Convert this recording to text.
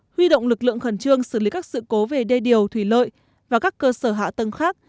huy động lực lượng khẩn trương xử lý các sự cố về đê điều thủy lợi và các cơ sở hạ tầng khác